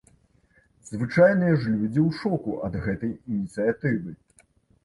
Звычайныя ж людзі ў шоку ад гэтай ініцыятывы.